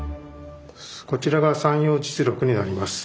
こちらが「参陽実録」になります。